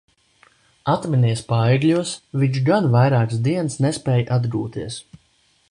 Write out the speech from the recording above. Atminies Paegļos, viņš gan vairākas dienas nespēj atgūties.